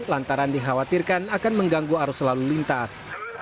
lantaran dikhawatirkan akan mengganggu arus lalu lintas